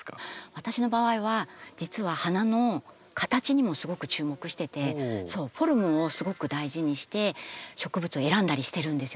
私の場合は実は花の形にもすごく注目しててフォルムをすごく大事にして植物を選んだりしてるんですよね。